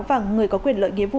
và người có quyền lợi nghiệp